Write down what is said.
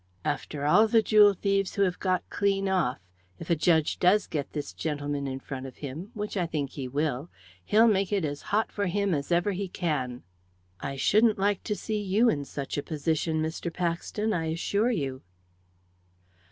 After all the jewel thieves who have got clean off, if a judge does get this gentleman in front of him which I think he will! he'll make it as hot for him as ever he can. I shouldn't like to see you in such a position, Mr. Paxton, I assure you."